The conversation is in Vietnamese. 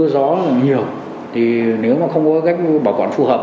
có nhiều thì nếu mà không có cách bảo quản phù hợp